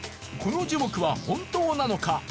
この樹木は本当なのか？